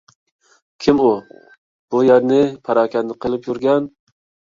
كىم ئۇ، بۇ يەرنى پاراكەندە قىلىپ يۈرگەن !؟